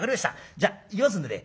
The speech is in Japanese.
じゃっ行きますんでね。